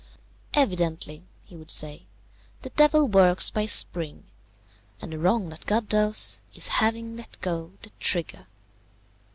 "Evidently," he would say, "the devil works by a spring, and the wrong that God does is having let go the trigger."